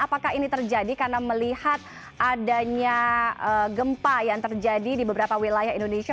apakah ini terjadi karena melihat adanya gempa yang terjadi di beberapa wilayah indonesia